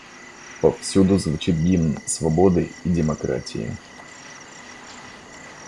Повсюду звучит гимн свободы и демократии.